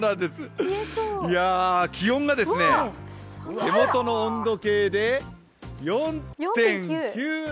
気温が手元の温度計で４．９度。